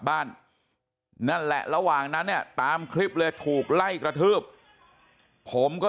บ้านนั่นแหละระหว่างนั้นเนี่ยตามคลิปเลยถูกไล่กระทืบผมก็